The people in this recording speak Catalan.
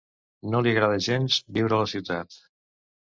No li agrada gens viure a ciutat.